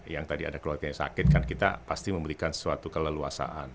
yang tadi ada keluarga yang sakit kan kita pasti memberikan sesuatu keleluasaan